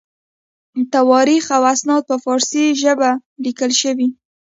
تواریخ او اسناد په فارسي ژبه لیکل شوي.